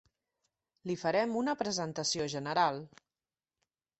Li farem una presentació general.